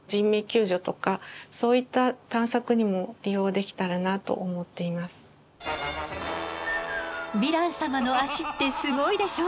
例えばヴィラン様の足ってすごいでしょ！